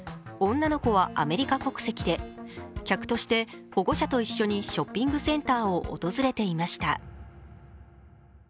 女の子はアメリカ国籍で客として保護者と一緒にショッピングセンターを訪れていました。